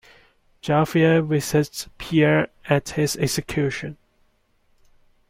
Jaffeir visits Pierre at his execution.